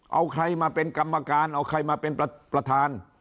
เอาใครมาเป็นกรรมการเอาใครมาเป็นประธาน